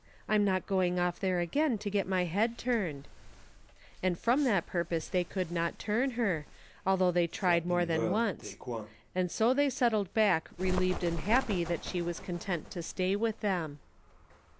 I'm not going off there again to get my ihead turned," and from that purpose they could not turn her, although they tried more than once ; and so they settled back relieved and happy that she was content to stay with them.